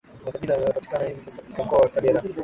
Makabila yanayopatikana hivi sasa katika mkoa wa Kagera